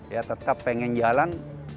ya tetap pengen jalan